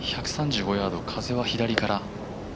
１３５ヤード、風は左から。